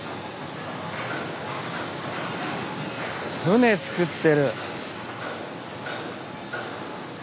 船造ってる。